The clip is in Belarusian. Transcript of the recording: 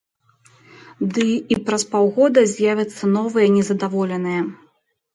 Ды і праз паўгода з'явяцца новыя незадаволеныя.